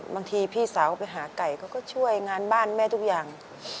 พี่สาวไปหาไก่เขาก็ช่วยงานบ้านแม่ทุกอย่าง